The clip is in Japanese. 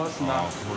これ。